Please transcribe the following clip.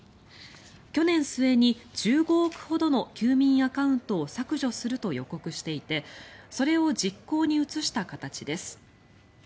去年末に、１５億ほどの休眠アカウントを削除すると予告していてそれを実行に移した形です。